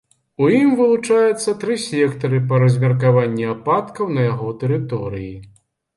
У ім вылучаецца тры сектары па размеркаванні ападкаў на яго тэрыторыі.